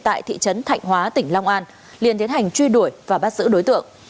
tại thị trấn thạnh hóa tỉnh long an liền tiến hành truy đuổi và bắt giữ đối tượng